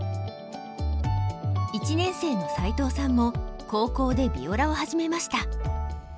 １年生の齋藤さんも高校でヴィオラを始めました。